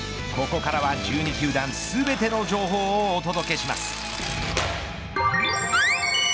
ここからは１２球団全ての情報をお届けします。